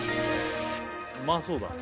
うまそうだ。